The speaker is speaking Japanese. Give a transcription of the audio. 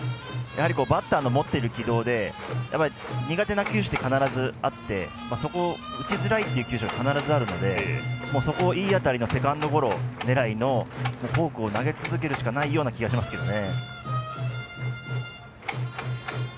バッターの持っている軌道で苦手な球種って必ずあってそこ、打ちづらいという球種必ずあるのでそこをいい当たりのセカンドゴロ狙いのフォークを投げ続けるしかないような気もしますけどね。